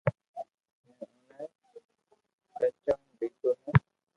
ھين اوڻي ئچن ليدو ھي